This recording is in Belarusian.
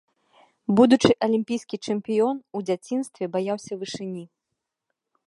Будучы алімпійскі чэмпіён у дзяцінстве баяўся вышыні.